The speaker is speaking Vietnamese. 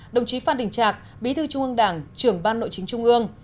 đồng chí phan đình trạc bí thư trung ương đảng trưởng ban nội chính trung ương